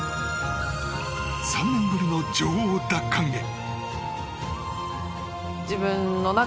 ３年ぶりの女王奪還へ。